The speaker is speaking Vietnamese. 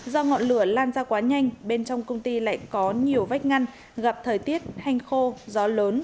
do ngọn lửa lan ra quá nhanh bên trong công ty lại có nhiều vách ngăn gặp thời tiết hanh khô gió lớn